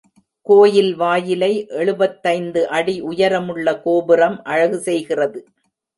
கோயில் வாயிலை எழுபத்தைந்து அடி உயரமுள்ள கோபுரம் அழகுசெய்கிறது.